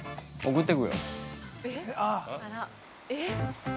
送ってくよ。